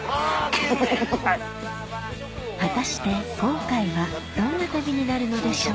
果たして今回はどんな旅になるのでしょう？